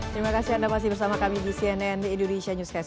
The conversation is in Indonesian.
terima kasih anda masih bersama kami di cnn indonesia newscast